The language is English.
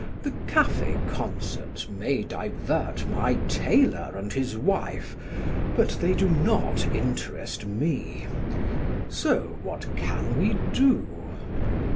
The cafe concerts may divert my tailor and his wife, but they do not interest me. So what can we do?